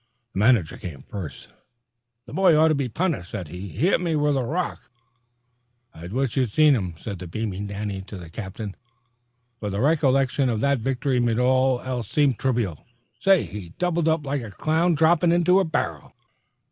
The manager came first. "The boy ought to be punished," said he. "He hit me with a rock." "I wish you'd seen him," said the beaming Danny to the captain, for the recollection of that victory made all else seem trivial. "Say! he doubled up like a clown droppin' into a barrel."